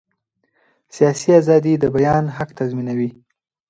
سیاسي ازادي د بیان حق تضمینوي